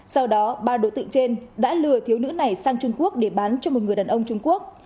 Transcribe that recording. sau đó ba đối tượng trên đã lừa thiếu nữ này sang trung quốc để bán cho một người đàn ông trung quốc